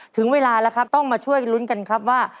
ถึงเวลาแล้วครับต้องมาช่วยลุ้นกันครับว่า